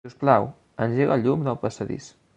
Si us plau, engega el llum del passadís.